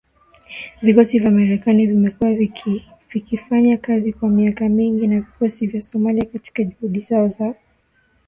Vikosi vya Marekani vimekuwa vikifanya kazi kwa miaka mingi na vikosi vya Somalia katika juhudi zao za kuwadhibiti al-Shabaab